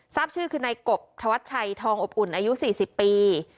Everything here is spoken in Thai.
ทราบชื่อคือนายกบธวัชชัยทองอบอุ่นอายุ๔๐ปี